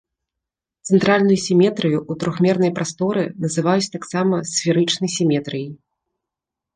Цэнтральную сіметрыю ў трохмернай прасторы называюць таксама сферычнай сіметрыяй.